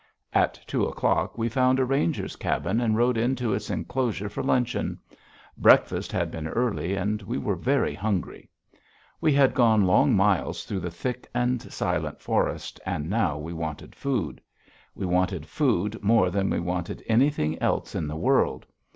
At two o'clock we found a ranger's cabin and rode into its enclosure for luncheon. Breakfast had been early, and we were very hungry. We had gone long miles through the thick and silent forest, and now we wanted food. We wanted food more than we wanted anything else in the world.